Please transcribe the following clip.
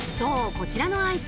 こちらのアイス